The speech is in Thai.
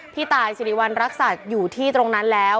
พี่ตายศิริวรรณรักษาอยู่ที่ตรงนั้นแล้ว